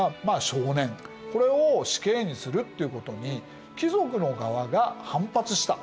これを死刑にするっていうことに貴族の側が反発した。